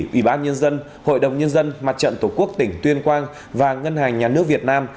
ủy ban nhân dân hội đồng nhân dân mặt trận tổ quốc tỉnh tuyên quang và ngân hàng nhà nước việt nam